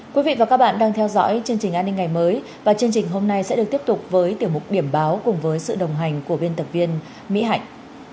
quý vị và các bạn đang theo dõi chương trình an ninh ngày mới và chương trình hôm nay sẽ được tiếp tục với tiểu mục điểm báo cùng với sự đồng hành của biên tập viên mỹ hạnh